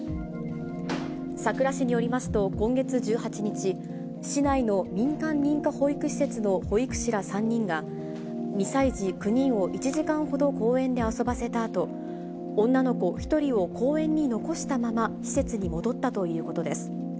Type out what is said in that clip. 佐倉市によりますと、今月１８日、市内の民間認可保育施設の保育士ら３人が、２歳児９人を１時間ほど公園で遊ばせたあと、女の子１人を公園に残したまま施設に戻ったということです。